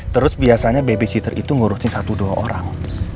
terus biasanya babysitter itu ngurusin satu dua orang